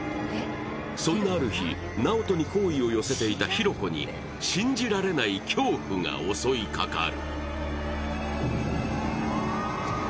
そんなある日、直人に好意を寄せていた比呂子に信じられない恐怖が襲いかかる。